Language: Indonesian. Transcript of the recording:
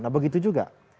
nah begitu juga